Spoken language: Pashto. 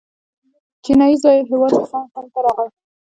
چینایي زایر هیوان تسانګ هند ته راغی.